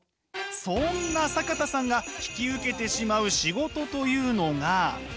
そんな坂田さんが引き受けてしまう仕事というのが。